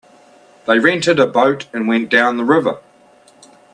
They rented a boat and went down the river.